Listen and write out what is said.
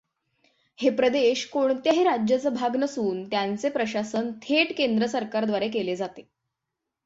हे प्रदेश कोणत्याही राज्याचा भाग नसून त्यांचे प्रशासन थेट केंद्र सरकारद्वारे केले जाते.